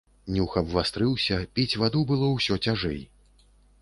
Нюх абвастрыўся, піць ваду было ўсё цяжэй.